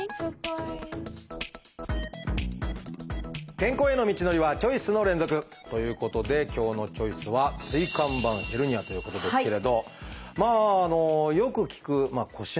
健康への道のりはチョイスの連続！ということで今日の「チョイス」はまあよく聞く腰の病気ということですかね。